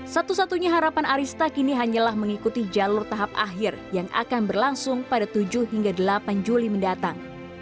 satu satunya harapan arista kini hanyalah mengikuti jalur tahap akhir yang akan berlangsung pada tujuh hingga delapan juli mendatang